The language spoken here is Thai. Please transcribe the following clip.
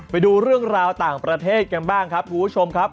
ไปดูเรื่องราวต่างประเทศกันบ้างครับคุณผู้ชมครับ